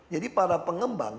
jadi para pengembang